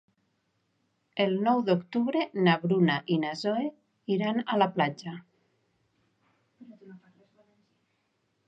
El nou d'octubre na Bruna i na Zoè iran a la platja.